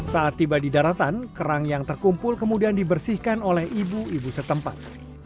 saat tiba di daratan kerang yang terkumpul kemudian dibersihkan oleh ibu ibu setempat